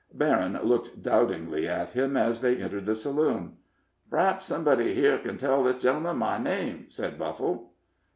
Berryn looked doubtingly at him as they entered the saloon. "P'r'aps somebody here ken tell this gentleman my name?" said Buffle.